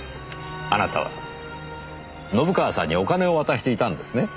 あなたは信川さんにお金を渡していたんですね？